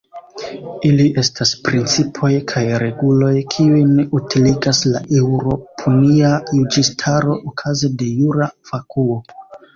Ili estas principoj kaj reguloj, kiujn utiligas la eŭropunia juĝistaro okaze de "jura vakuo".